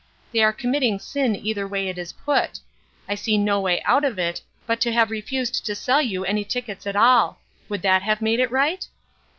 They are committing sin either way it is put. I see no way out of it but to have refused to sell you any tickets at all. Would that have made it right?"